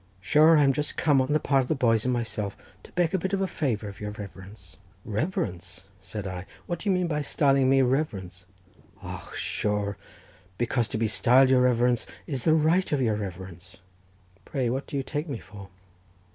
"Sure, I'm just come on the part of the boys and myself to beg a bit of a favour of your reverence." "Reverence," said I, "what do you mean by styling me reverence?" "Och sure, because to be styled your reverence is the right of your reverence." "Pray, what do you take me for?"